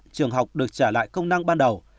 trường học được trả lại công năng ban đầu